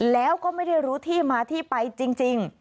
แล้วก็ไม่ได้รู้ที่มาที่ไปจริง